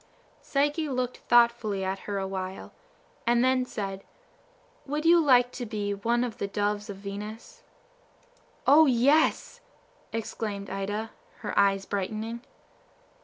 Psyche looked thoughtfully at her a while, and then said, "Would you like to be one of the Doves of Venus?" "O, yes!" exclaimed Ida, her eyes brightening.